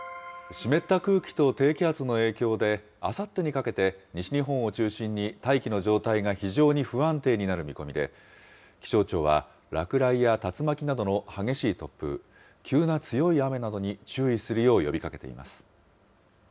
湿った空気と低気圧の影響で、あさってにかけて、西日本を中心に大気の状態が非常に不安定になる見込みで、気象庁は落雷や竜巻などの激しい突風、急な強い雨などに注意するよう呼びかけています。